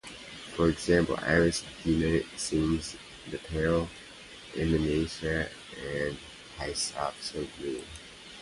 For example, Iris DeMent sings "...the pale emanita and hyssop so blue".